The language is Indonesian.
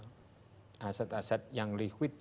aset aset yang liquid yang bisa dimanfaatkan